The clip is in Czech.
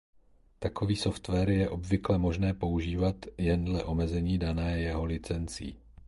Takový software je obvykle možné používat jen dle omezení dané jeho licencí.